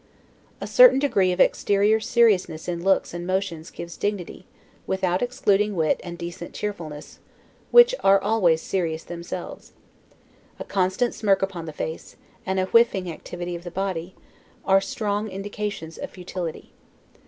A certain degree of exterior seriousness in looks and motions gives dignity, without excluding wit and decent cheerfulness, which are always serious themselves. A constant smirk upon the face, and a whifing activity of the body, are strong indications of futility.